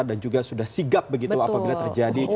dan juga sudah sigap begitu apa yang terjadi